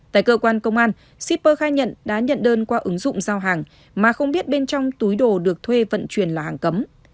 tại cơ quan công an shipper khai nhận đã nhận đơn qua ứng dụng giao hàng mà không biết bên trong túi đồ được thuê vận chuyển là hàng cấm